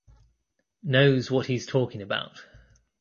Knows what he's talking about.